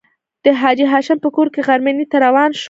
د حاجي هاشم په کور کې غرمنۍ ته روان شوو.